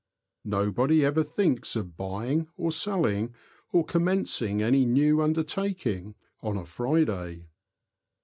Nobody ever thinks of buying or selling, or commencing any new undertaking, on a Friday.